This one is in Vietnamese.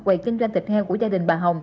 quầy kinh doanh thịt heo của gia đình bà hồng